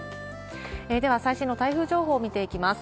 では、最新の台風情報を見ていきます。